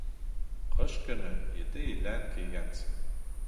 Ҡыш көнө ете елән кейгәнсе